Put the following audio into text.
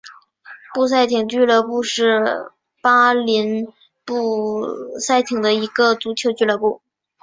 布赛廷俱乐部是巴林布赛廷的一个足球俱乐部。